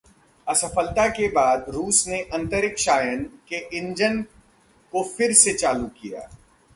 असफलता के बाद रूस ने अंतरिक्षयान के इंजन को फिर से चालू किया